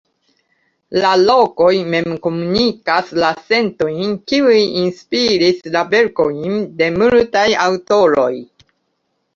La lokoj mem komunikas la sentojn kiuj inspiris la verkojn de multaj aŭtoroj.